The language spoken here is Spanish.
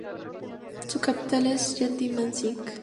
Su capital es Janti-Mansisk.